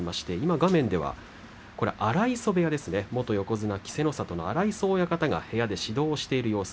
画面では荒磯部屋ですね元横綱稀勢の里の荒磯親方が部屋で指導している様子